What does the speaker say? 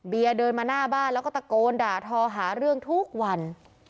เดินมาหน้าบ้านแล้วก็ตะโกนด่าทอหาเรื่องทุกวัน